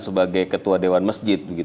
sebagai ketua dewan masjid